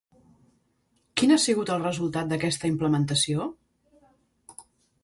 Quin ha sigut el resultat d'aquesta implementació?